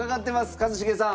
一茂さん。